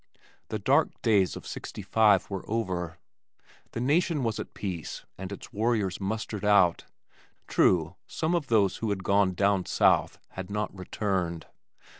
The dark days of sixty five were over. The Nation was at peace and its warriors mustered out. True, some of those who had gone "down South" had not returned.